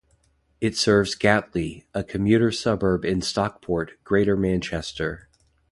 It serves Gatley, a commuter suburb in Stockport, Greater Manchester.